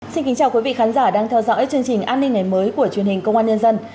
xin kính chào quý vị khán giả đang theo dõi chương trình an ninh ngày mới của truyền hình công an nhân dân